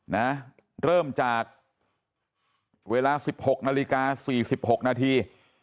นะเริ่มจากเวลา๑๖นาฬิกา๔๖นาที